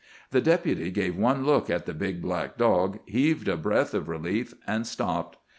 The Deputy gave one look at the big black dog, heaved a breath of relief, and stopped.